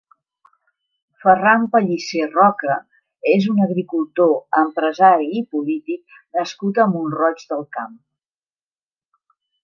Ferran Pellicer Roca és un agricultor, empresari i polític nascut a Mont-roig del Camp.